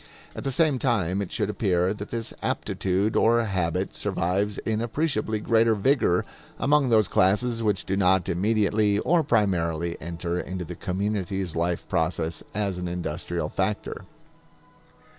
At the same time it should appear that this aptitude or habit survives in appreciably greater vigor among those classes which do not immediately or primarily enter into the community's life process as an industrial factor.